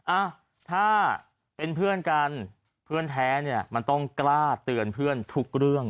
อ่ะถ้าเป็นเพื่อนกันเพื่อนแท้เนี่ยมันต้องกล้าเตือนเพื่อนทุกเรื่อง